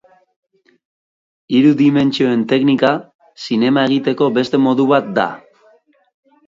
Hiru dimentsioen teknika zinema egiteko beste modu bat da.